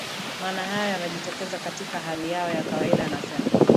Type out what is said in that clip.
maana hayo yamejitokeza katika hali yao ya kawaida anasema